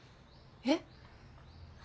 えっ？